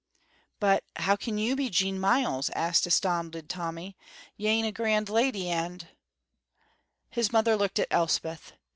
"But how can you be Jean Myles?" asked astounded Tommy. "You ain't a grand lady and " His mother looked at Elspeth.